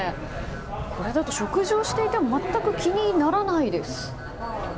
これだと食事をしていても全く気にならないです。